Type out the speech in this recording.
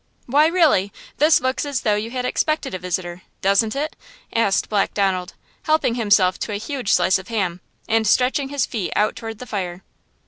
"Why, really, this looks as though you had expected a visitor–doesn't it?" asked Black Donald, helping himself to a huge slice of ham, and stretching his feet out toward the fire.